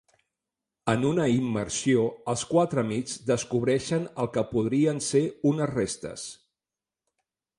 En una immersió, els quatre amics descobreixen el que podrien ser unes restes.